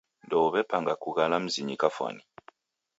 Ndouw'epanga kughala mzinyi kafwani.